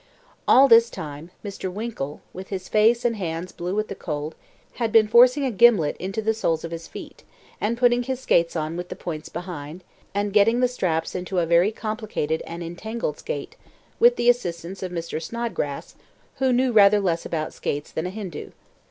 All this time, Mr. Winkle, with his face and hands blue with the cold, had been forcing a gimlet into the soles of his feet, and putting his skates on with the points behind, and getting the straps into a very complicated and entangled state, with the assistance of Mr. Snodgrass, who knew rather less about skates than a Hindoo.